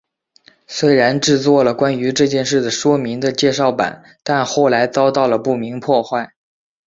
虽然制作了关于这件事的说明的介绍板但后来遭到了不明破坏。